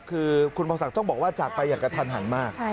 คือคุณพรศักดิ์ต้องบอกว่าจากไปอย่างกระทันหันมาก